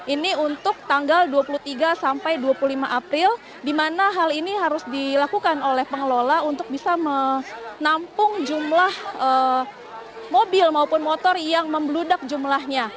ini untuk tanggal dua puluh tiga sampai dua puluh lima april di mana hal ini harus dilakukan oleh pengelola untuk bisa menampung jumlah mobil maupun motor yang membeludak jumlahnya